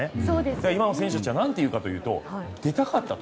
じゃあ、今の選手たちがなんて言うかというと出たかったと。